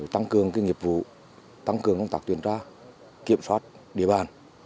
tăng cường nghiệp vụ tăng cường công tác tuyển tra kiểm soát địa bàn